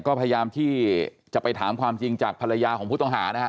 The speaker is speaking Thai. ก็พยายามที่จะไปถามความจริงจากภรรยาของผู้ต้องหานะฮะ